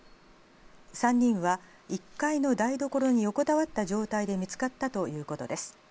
３人は１階の台所に横たわった状態で見つかったということです。